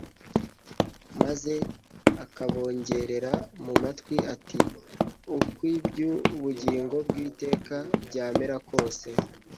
maze akabongorera mu matwi ati: "Uko iby'ubugingo bw'iteka byamera kose,